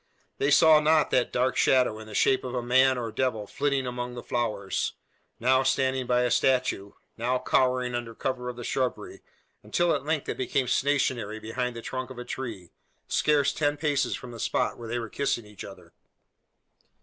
They saw not that dark shadow, in the shape of man or devil, flitting among the flowers; now standing by a statue; now cowering under cover of the shrubbery, until at length it became stationary behind the trunk of a tree, scarce ten paces from the spot where they were kissing each other!